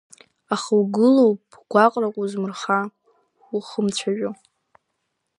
Аха угылоуп гәаҟрак уазмырхәа ухымжәаӡо.